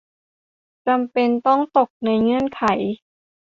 จำเป็นต้องตกในเงื่อนไข